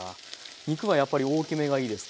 肉はやっぱり大きめがいいですか？